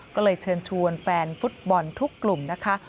ก็เลยเชิญชวนแฟนฟุตบอลทุกกลุ่มนะคะ